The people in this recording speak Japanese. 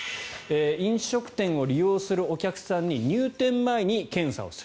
飲食店を利用するお客さんに入店前に検査をする。